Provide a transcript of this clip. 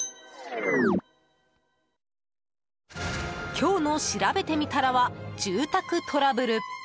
今日のしらべてみたらは住宅トラブル。